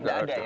enggak ada ya